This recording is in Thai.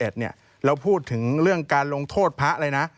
เราพูดถึงเรื่องการลงโทษพระเลยนะ